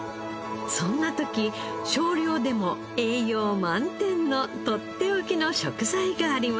そんな時少量でも栄養満点のとっておきの食材があります。